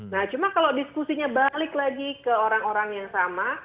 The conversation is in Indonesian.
nah cuma kalau diskusinya balik lagi ke orang orang yang sama